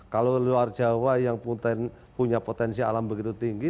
kalau luar jawa yang punya potensi alam begitu tinggi